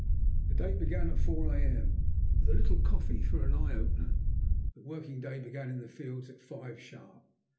The day began at 4 A. M., with a little coffee for an eye opener. The working day began in the fields at 5 sharp.